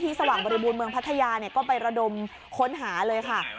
สว่างบริบูรณเมืองพัทยาก็ไประดมค้นหาเลยค่ะ